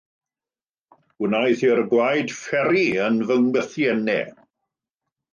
Gwnaeth i'r gwaed fferru yn fy ngwythiennau.